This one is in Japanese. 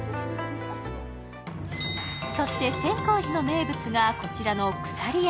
そして千光寺の名物がこちらのくさり山。